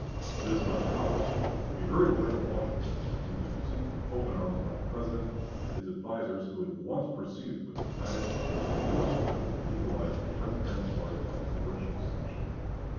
This much accomplished, he hurried away to Washington, where he was received with open arms by the President and his advisers, who at once proceeded with a united and formidable effort to legalize the transparent farce by Congressional sanction.